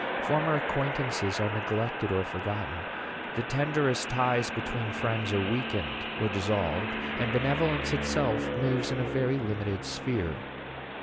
Former acquaintances are neglected or forgotten; the tenderest ties between friends are weakened or dissolved; and benevolence itself moves in a very limited sphere."